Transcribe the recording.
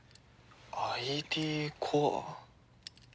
ＩＤコア？